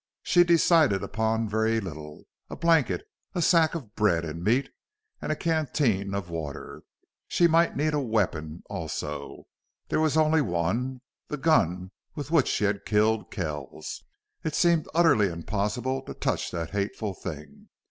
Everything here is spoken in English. She decided upon very little a blanket, a sack of bread and meat, and a canteen of water. She might need a weapon, also. There was only one, the gun with which she had killed Kells. It seemed utterly impossible to touch that hateful thing.